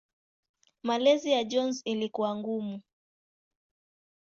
Malezi ya Jones ilikuwa ngumu.